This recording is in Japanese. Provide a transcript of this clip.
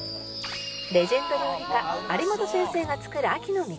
レジェンド料理家有元先生が作る秋の味覚